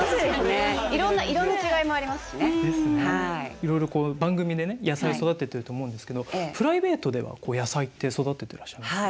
いろいろこう番組でね野菜育ててると思うんですけどプライベートでは野菜って育ててらっしゃるんですか？